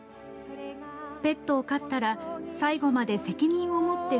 ペットを飼ったら最後まで責任を持って